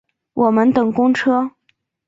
我们等公车